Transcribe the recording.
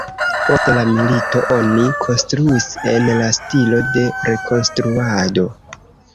Post la milito oni konstruis en la stilo de rekonstruado.